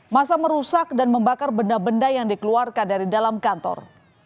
masa merusak dan membakar benda benda yang dikeluarkan dari dalam kantor